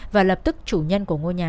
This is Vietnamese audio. và lập tức chủ nhân của ngôi nhà